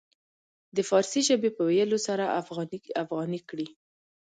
د فارسي ژبې په ويلو سره افغاني کړي.